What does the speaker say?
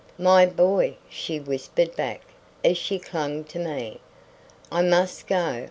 "My boy!" she whispered back, as she clung to me. "I must go.